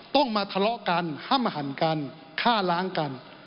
ต้องมาทะเลาะกันห้ามหันกันฆ่าล้างกัน